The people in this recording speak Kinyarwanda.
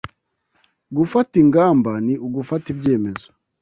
Gufata ingamba ni ugufata ibyemezo